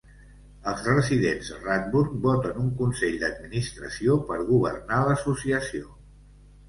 Els residents de Radburn voten un Consell d'Administració per governar l'Associació.